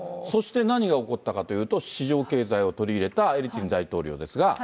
そして何が起こったかというと、市場経済を取り入れたエリツィン大統領ですが。